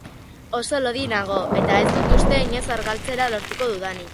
Oso lodi nago eta ez dut uste inoiz argaltzea lortuko dudanik.